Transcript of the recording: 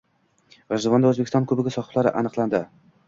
G‘ijduvonda O‘zbekiston kubogi sohiblari aniqlanading